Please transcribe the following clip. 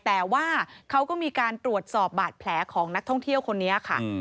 แต่ว่าเขาก็มีการตรวจสอบบาดแผลของนักท่องเที่ยวคนนี้ค่ะ